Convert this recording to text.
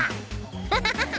ハハハハ！